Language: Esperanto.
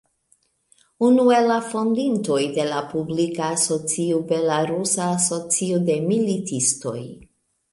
Unu el la fondintoj de la publika asocio "Belarusa Asocio de Militistoj.